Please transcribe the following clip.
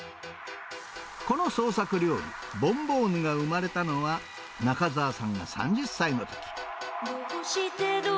この創作料理、ボンボーヌが生まれたのは、中澤さんが３０歳のとき。